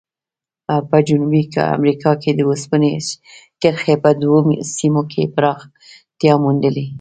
په جنوبي امریکا کې د اوسپنې کرښې په دوو سیمو کې پراختیا موندلې.